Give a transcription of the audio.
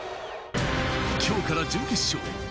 今日から準決勝。